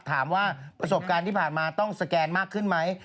ถามว่าประสบการณ์ที่ผ่านมาต้องสแกนมากขึ้นไหม